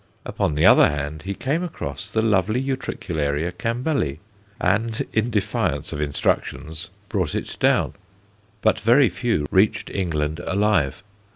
Upon the other hand, he came across the lovely Utricularia Campbelli, and in defiance of instructions brought it down. But very few reached England alive.